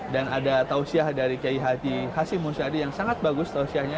dan ada tausiyah dari qiyadi hasim musyadi yang sangat bagus tausiyahnya